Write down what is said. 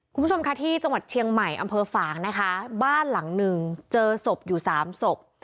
คุณผู้ชมค่ะที่จังหวัดเชียงใหม่อำเภอฝางนะคะบ้านหลังหนึ่งเจอศพอยู่สามศพ